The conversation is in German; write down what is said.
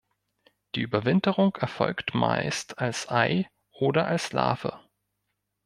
Die Überwinterung erfolgt meist als Ei oder als Larve.